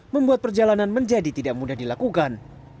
membuat perjalanan menjadi tidak mudah dilakukan